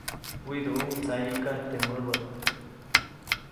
Widuʼuʼuŋ tsayiʼka teʼ mäbät.